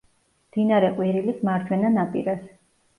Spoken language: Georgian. მდინარე ყვირილის მარჯვენა ნაპირას.